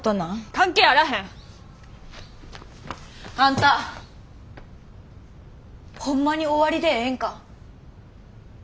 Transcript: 関係あらへん！あんたホンマに終わりでええんか？